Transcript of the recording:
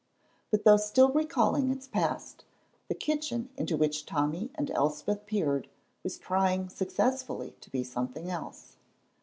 But though still recalling its past, the kitchen into which Tommy and Elspeth peered was trying successfully to be something else.